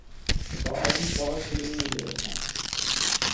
ساعتی چهار شیلینگ میگرفتند.